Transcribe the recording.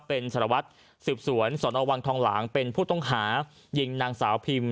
เป็นสารวัตรสืบสวนสนวังทองหลางเป็นผู้ต้องหายิงนางสาวพิม